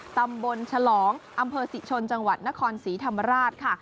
ตำบลฉลองอำเภอศรีชนจังหวัดนครศรีธรรมราชค่ะ